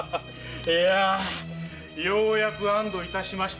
ようやく安堵しました。